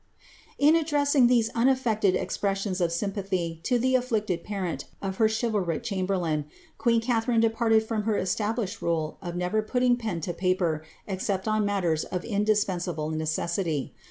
'* In addressing those unafTI'rtcd expressions of sympathy to the afflicted ])arrnt of her ciiivalric ciianibiTlain, queen Catharine departed from htf established rule of never puttinj; [ten to paper except on matters of io dispensa!)lc necessity.